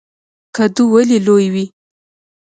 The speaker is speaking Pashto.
کدو ولې لوی وي؟